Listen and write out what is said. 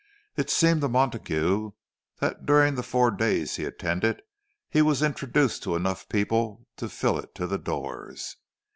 It seemed to Montague that during the four days he attended he was introduced to enough people to fill it to the doors.